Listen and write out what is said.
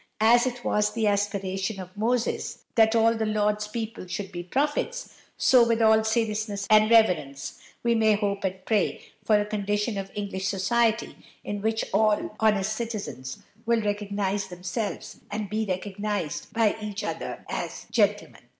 As it was the aspiration of Moses that all the Lord's people should be prophets, so with all seriousness and reverence we may hope and pray for a condition of English society in which all honest citizens will recognize themselves and be recognized by each other as gentlemen."